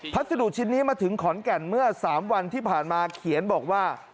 พัสดุชิ้นนี้มาถึงขอนแก่นเมื่อ๓วันที่ผ่านมาเขียนบอกว่า